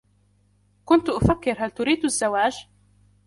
كنت أفكر هل تريد الزواج؟